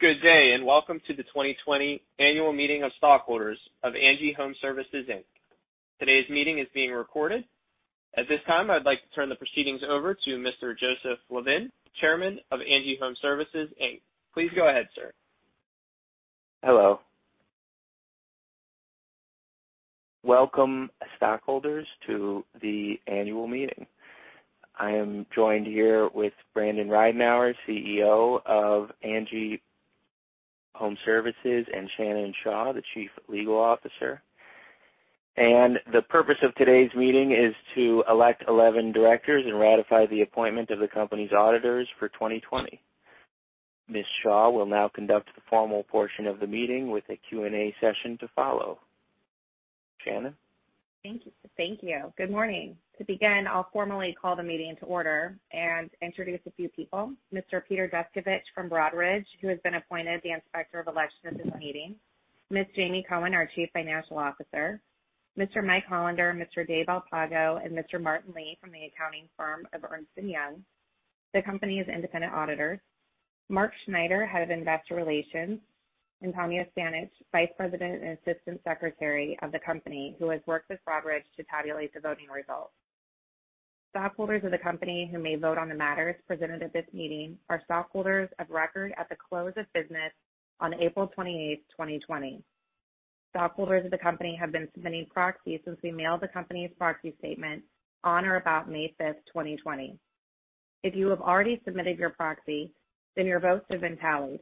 Good day, and welcome to the 2020 Annual Meeting of Stockholders of ANGI Homeservices Inc. Today's meeting is being recorded. At this time, I'd like to turn the proceedings over to Mr. Joey Levin, Chairman of ANGI Homeservices Inc. Please go ahead, sir. Hello. Welcome, stockholders, to the annual meeting. I am joined here with Brandon Ridenour, CEO of ANGI Homeservices, and Shannon Shaw, the Chief Legal Officer. And the purpose of today's meeting is to elect 11 directors and ratify the appointment of the company's auditors for 2020. Ms. Shaw will now conduct the formal portion of the meeting with a Q&A session to follow. Shannon? Thank you. Good morning. To begin, I'll formally call the meeting to order and introduce a few people: Mr. Peter Descovich from Broadridge, who has been appointed the Inspector of Elections at this meeting. Ms. Jamie Cohen, our Chief Financial Officer. Mr. Mike Hollander, Mr. Dave Alpago, and Mr. Martin Lee from the accounting firm of Ernst & Young, the company's independent auditors. Mark Schneider, Head of Investor Relations, and Tommy Ostanich, Vice President and Assistant Secretary of the company, who has worked with Broadridge to tabulate the voting results. Stockholders of the company who may vote on the matters presented at this meeting are stockholders of record at the close of business on April 28, 2020. Stockholders of the company have been submitting proxies since we mailed the company's proxy statement on or about May 5, 2020. If you have already submitted your proxy, then your votes have been tallied.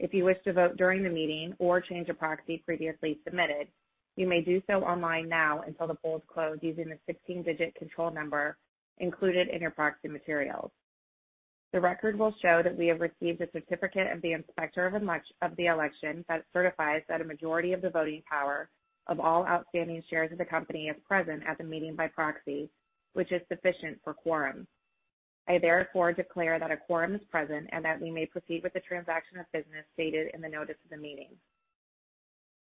If you wish to vote during the meeting or change a proxy previously submitted, you may do so online now until the polls close using the 16-digit control number included in your proxy materials. The record will show that we have received a certificate of the Inspector of Elections that certifies that a majority of the voting power of all outstanding shares of the company is present at the meeting by proxy, which is sufficient for quorum. I therefore declare that a quorum is present and that we may proceed with the transaction of business stated in the notice of the meeting.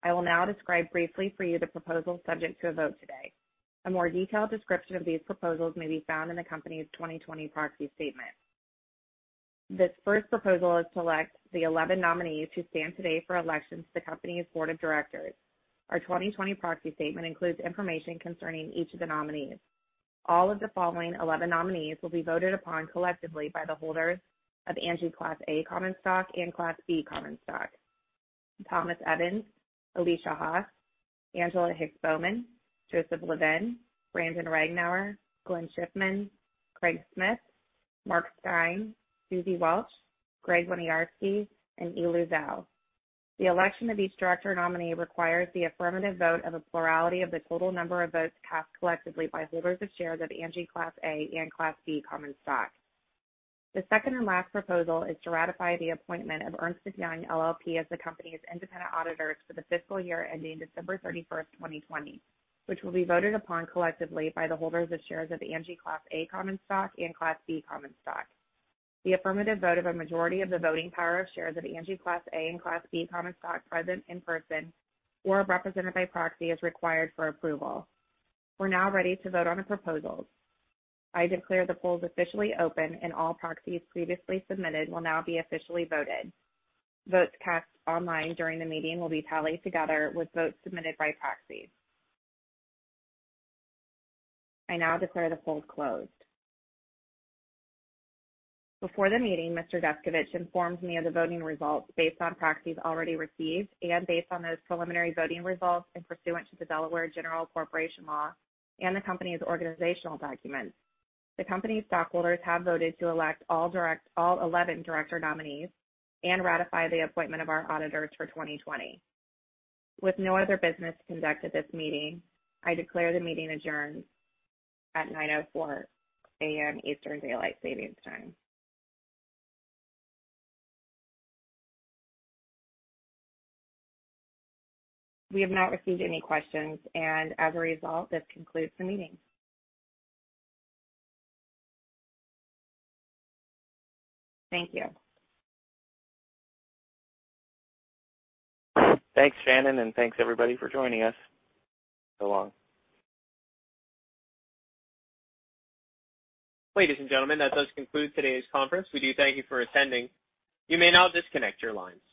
I will now describe briefly for you the proposals subject to a vote today. A more detailed description of these proposals may be found in the company's 2020 proxy statement. This first proposal is to elect the 11 nominees who stand today for election to the company's board of directors. Our 2020 proxy statement includes information concerning each of the nominees. All of the following 11 nominees will be voted upon collectively by the holders of ANGI Class A Common Stock and Class B Common Stock: Thomas Evans, Alesia Haas, Angela Hicks Bowman, Joseph Levin, Brandon Ridenour, Glenn Schiffman, Craig Smith, Mark Stein, Suzy Welch, Gregg Winiarski, and Yilu Zhao. The election of each director nominee requires the affirmative vote of a plurality of the total number of votes cast collectively by holders of shares of ANGI Class A and Class B Common Stock. The second and last proposal is to ratify the appointment of Ernst & Young LLP as the company's independent auditors for the fiscal year ending December 31, 2020, which will be voted upon collectively by the holders of shares of ANGI Class A Common Stock and Class B Common Stock. The affirmative vote of a majority of the voting power of shares of ANGI Class A and Class B Common Stock present in person or represented by proxy is required for approval. We're now ready to vote on the proposals. I declare the polls officially open, and all proxies previously submitted will now be officially voted. Votes cast online during the meeting will be tallied together with votes submitted by proxies. I now declare the polls closed. Before the meeting. Mr. Descovich informs me of the voting results based on proxies already received and based on those preliminary voting results, pursuant to the Delaware General Corporation Law and the company's organizational documents. The company's stockholders have voted to elect all 11 director nominees and ratify the appointment of our auditors for 2020. With no other business conducted at this meeting, I declare the meeting adjourned at 9:04 A.M. EDT. We have not received any questions, and as a result, this concludes the meeting. Thank you. Thanks, Shannon, and thanks, everybody, for joining us so long. Ladies and gentlemen, that does conclude today's conference. We do thank you for attending. You may now disconnect your lines.